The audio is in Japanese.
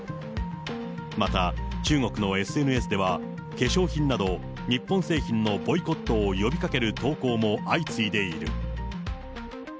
また中国のＳＮＳでは、化粧品など、日本製品のボイコットを呼びかける投稿も相次いでいる。